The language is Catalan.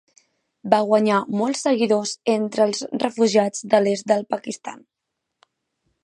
Va guanyar molts seguidors entre els refugiats de l'est del Pakistan.